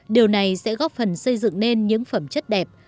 điều này sẽ góp phần xây dựng nên những phẩm chất đẹp